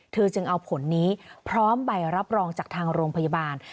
เธอจึงเอาผลนี้พร้อมใบรับรองจากทางโรงพยาบาล